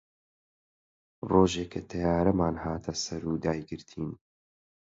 ڕۆژێ کە تەیارەمان هاتە سەر و دایگرتین